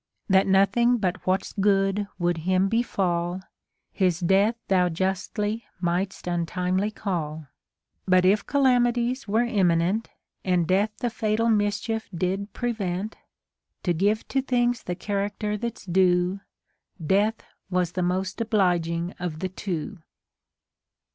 That nothing but what's good would him befall, His death tiiou justly might'st untimely call. But if calamities were imminent, And Death the fatal mischief did prevent, To give to things the character that's due, Death was the most obliging of tiie two.